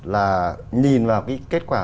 là nhìn vào cái kết quả